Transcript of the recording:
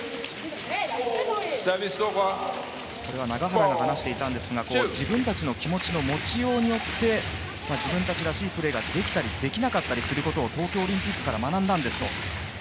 永原が話していたんですが自分たちの気持ちの持ちようによって自分たちらしいプレーができたりできなかったりすることを東京オリンピックから学んだんですと。